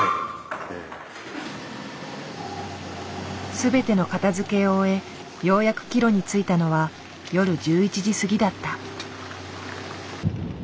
全ての片づけを終えようやく帰路に着いたのは夜１１時過ぎだった。